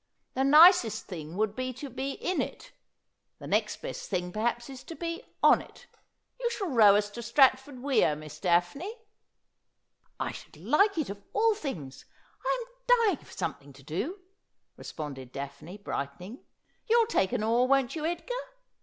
The nicest thing would be to be in it : the next best thing perhaps is to be on it. You shall row us to Stratford Weir, Miss Daphne.' ' I should like it of all things. I am dying for something to do,' responded Daphne, brightening. 'You'll take an oar, won't you, Edgar ?